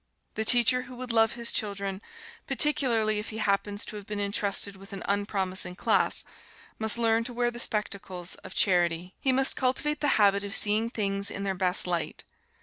The teacher who would love his children, particularly if he happens to have been entrusted with an unpromising class, must learn to wear the spectacles of charity. He must cultivate the habit of seeing things in their best light.